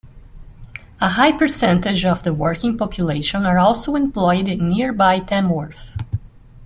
A high percentage of the working population are also employed in nearby Tamworth.